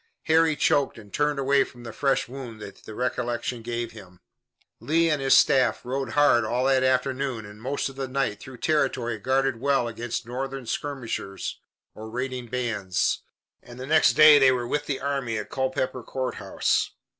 Harry choked and turned away from the fresh wound that the recollection gave him. Lee and his staff rode hard all that afternoon and most of the night through territory guarded well against Northern skirmishers or raiding bands, and the next day they were with the army at Culpeper Court House.